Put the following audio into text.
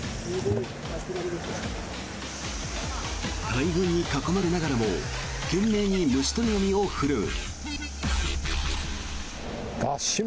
大群に囲まれながらも懸命に虫捕り網を振るう。